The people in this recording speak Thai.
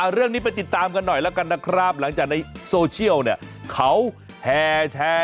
เรื่องนี้ไปติดตามกันหน่อยล่ะครับหลังจากในโซเชียลเขาแห่แชร์